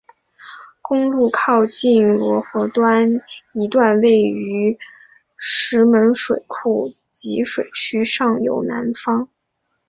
公路靠近罗浮端一段位于石门水库集水区上游南方。